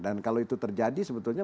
dan kalau itu terjadi sebetulnya